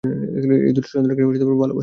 এই দুষ্টু শয়তান টাকে ভালোবাসতাম।